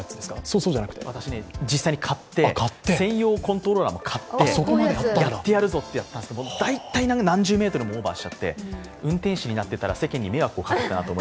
実際に買って、専用コントローラーも買って、やってやるぞってやったんですけど、大体、何十ｍもオーバーしてたんですけど運転士になっていたら、世間に迷惑をかけていたなと。